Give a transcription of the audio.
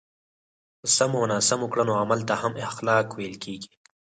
په سمو او ناسم کړنو عمل ته هم اخلاق ویل کېږي.